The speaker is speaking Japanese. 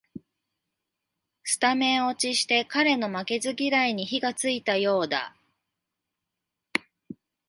スタメン落ちして彼の負けず嫌いに火がついたようだ